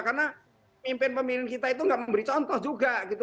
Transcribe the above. karena pemimpin pemimpin kita itu nggak memberi contoh juga gitu